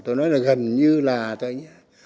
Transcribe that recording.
tôi nói là gần như là thôi nhé